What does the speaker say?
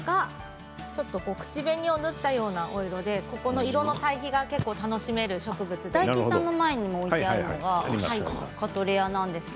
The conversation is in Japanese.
口紅を塗ったようなお色でここの色の対比が楽しめる植物だ大吉さんの前にも置いてあるのが、カトレアです。